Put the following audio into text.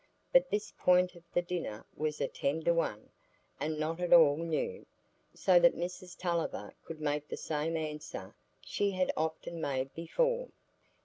But this point of the dinner was a tender one, and not at all new, so that Mrs Tulliver could make the same answer she had often made before.